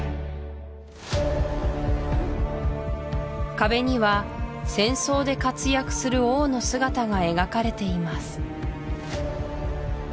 壁には戦争で活躍する王の姿が描かれています